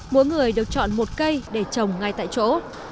mỗi người được chọn một cây để trồng ngay tại chỗ